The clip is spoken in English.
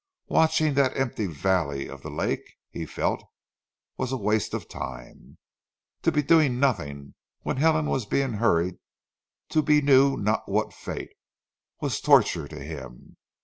Watching that empty valley of the lake, he felt, was a waste of time. To be doing nothing, when Helen was being hurried to be knew not what fate, was torture to him.